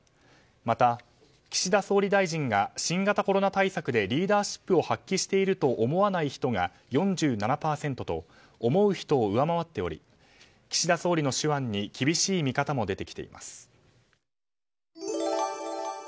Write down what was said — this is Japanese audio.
また岸田総理大臣が新型コロナ対策でリーダーシップを発揮していると思わない人が４７％と思う人を上回っており岸田総理の手腕に厳しい見方も出てきています。